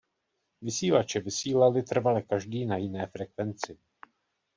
Vysílače vysílaly trvale každý na jiné frekvenci.